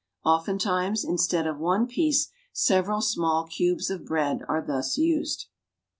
Oftentimes, instead of one piece, several small cubes of bread are thus used.